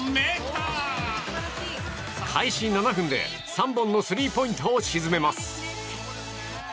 開始７分で３本のスリーポイントを沈めます。